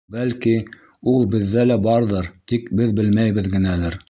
Бәлки, ул беҙҙә лә барҙыр, тик беҙ белмәйбеҙ генәлер?